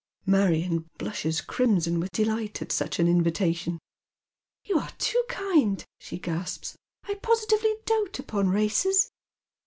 "^ Marion blushes crimson with delight at such an invitation. " You're too kind," she gasps. " I positively doat upon races."